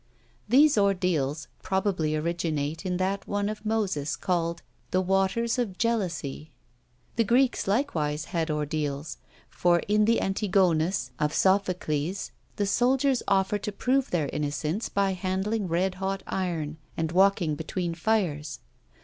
These ordeals probably originate in that one of Moses called the "Waters of Jealousy." The Greeks likewise had ordeals, for in the Antigonus of Sophocles the soldiers offer to prove their innocence by handling red hot iron, and walking between fires.